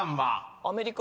「アメリカ」？